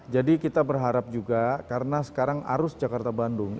jadi kita berharap juga karena sekarang arus jakarta bandung